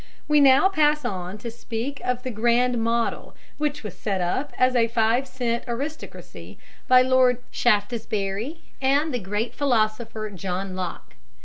We now pass on to speak of the Grand Model which was set up as a five cent aristocracy by Lord Shaftesbury and the great philosopher John Locke.